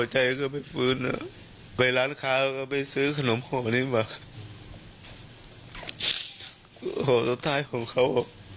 สุดท้ายของเขา